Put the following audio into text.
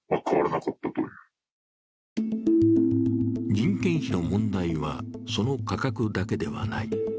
人件費の問題はその価格だけではない。